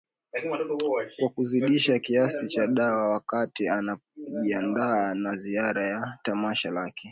Kwa kuzidisha kiasi cha dawa wakati anajiandaa na ziara ya tamasha lake